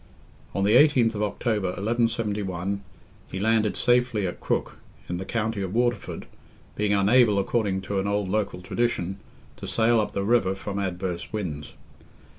On the 18th of October, 1171, he landed safely at Crook, in the county of Waterford, being unable, according to an old local tradition, to sail up the river from adverse winds.